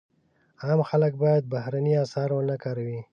عام خلک باید بهرني اسعار ونه کاروي.